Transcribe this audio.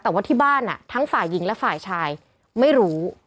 แต่ว่าที่บ้านทั้งฝ่ายหญิงและฝ่ายชายไม่รู้